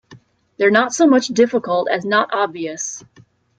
They're not so much difficult as not obvious.